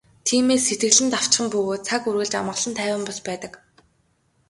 Тиймээс сэтгэл нь давчхан бөгөөд цаг үргэлж амгалан тайван бус байдаг.